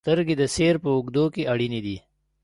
• سترګې د سیر په اوږدو کې اړینې دي.